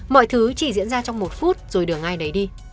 mọi thứ chỉ diễn ra trong một phút rồi đường ai nấy đi